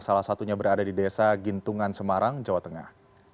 salah satunya berada di desa gintungan semarang jawa tengah